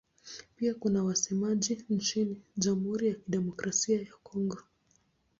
Pia kuna wasemaji nchini Jamhuri ya Kidemokrasia ya Kongo.